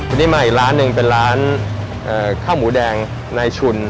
วันนี้มาอีกร้านหนึ่งเป็นร้านข้าวหมูแดงนายชุน